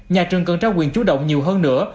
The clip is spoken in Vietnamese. nhà trường cần trao quyền chú động nhiều hơn nữa